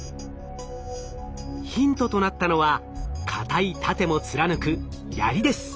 ヒントとなったのは硬い盾も貫く槍です。